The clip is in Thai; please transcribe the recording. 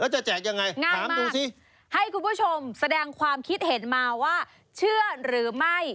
ใช่ง่ายมากให้คุณผู้ชมแสดงความคิดเห็นมาว่าเชื่อหรือไม่